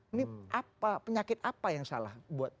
ini apa penyakit apa yang salah